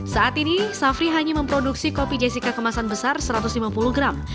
saat ini safri hanya memproduksi kopi jessica kemasan besar satu ratus lima puluh gram